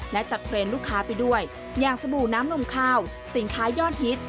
และจัดเทรนด์ลูกค้าไปด้วยอย่างสบู่น้ำนมข้าวสินค้ายอดฮิต